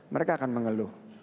mereka akan mengeluh